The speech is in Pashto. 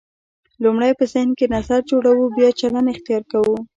لومړی په ذهن کې نظر جوړوو بیا چلند اختیار کوو.